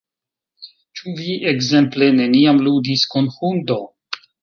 Ĉu vi ekzemple neniam ludis kun hundo?